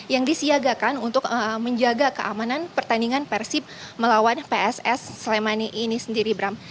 yang disiagakan untuk menjaga keamanan pertandingan persib melawan pss slemani ini sendiri bram